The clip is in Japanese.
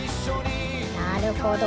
なるほど。